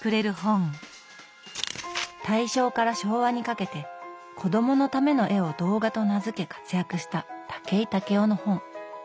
大正から昭和にかけて子供のための絵を「童画」と名付け活躍した武井武雄の本。